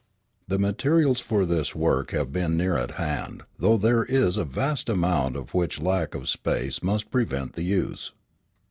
The materials for this work have been near at hand, though there is a vast amount of which lack of space must prevent the use.